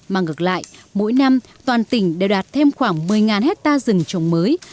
mà ngược lại mỗi năm toàn tỉnh đều đạt thêm khoảng một mươi hectare rừng trồng mới